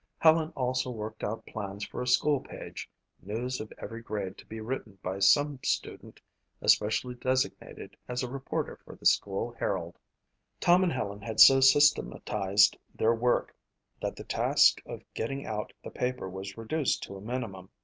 Helen also worked out plans for a school page, news of every grade to be written by some student especially designated as a reporter for the "School Herald." Tom and Helen had so systematized their work that the task of getting out the paper was reduced to a minimum.